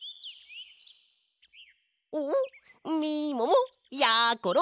おっみももやころ